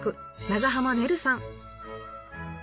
長濱ねるさん。